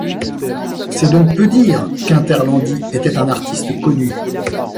C’est donc peu dire qu’Interlandi était un artiste connu.